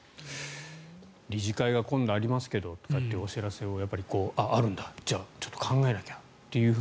理事会が今度ありますけどとかお知らせがあるとじゃあ、考えなきゃ。